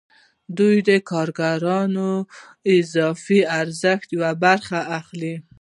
دوی د کارګرانو د اضافي ارزښت یوه برخه اخلي